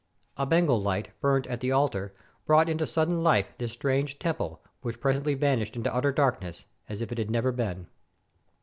A Bengal light, burnt at the altar, brought into sudden hfe this strange temple, which pres ently vanished into utter darkness, as if it had never been.